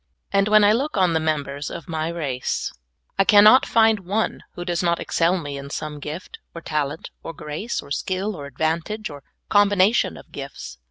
And when I look on the members of my race, I can 126 SOUL FOOD. not find one who does not excel me in some gift, or tal ent, or grace, or skill, or advantage, or combination of gifts.